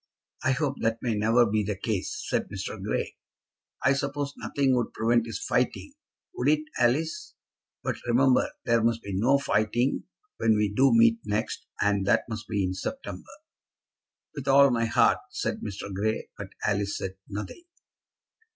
"I hope that may never be the case," said Mr. Grey. "I suppose nothing would prevent his fighting; would it Alice? But, remember, there must be no fighting when we do meet next, and that must be in September." "With all my heart," said Mr. Grey. But Alice said nothing.